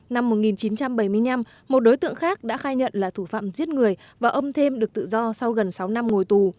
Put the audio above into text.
năm một nghìn chín trăm bảy mươi năm một đối tượng khác đã khai nhận là thủ phạm giết người và ông thêm được tự do sau gần sáu năm ngồi tù